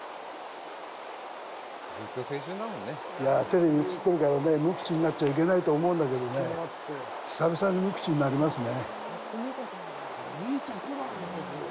テレビに映ってるからね、無口になっちゃいけないと思うんだけどね、久々に無口になりますね。